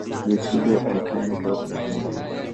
Luis Figo alikuwa nyota wa barcelona